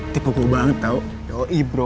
tipu banget tau yoi bro